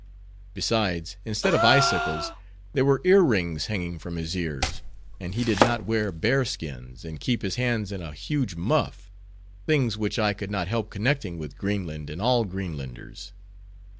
Besides, instead of icicles, there were ear rings hanging from his ears; and he did not wear bear skins, and keep his hands in a huge muff; things, which I could not help connecting with Greenland and all Greenlanders.